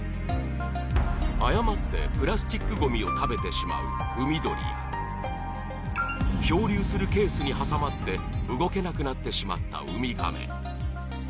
誤ってプラスチックごみを食べてしまう海鳥や、漂流するケースに挟まって動けなくなってしまった海亀。